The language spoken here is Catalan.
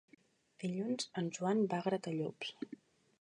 Dilluns en Joan va a Gratallops.